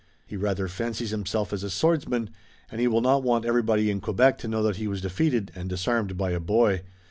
He rather fancies himself as a swordsman, and he will not want everybody in Quebec to know that he was defeated and disarmed by a boy.